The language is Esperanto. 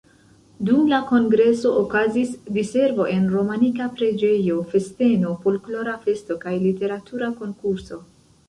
Dum la kongreso okazis diservo en romanika preĝejo, festeno, folklora festo kaj literatura konkurso.